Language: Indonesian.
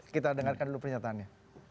kita dengarkan dulu pernyataannya